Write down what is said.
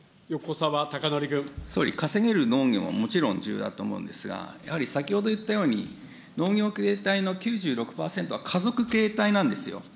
総理、稼げる農業ももちろん重要だと思うんですが、やはり先ほど言ったように、農業形態の９６％は家族経営体なんですよ。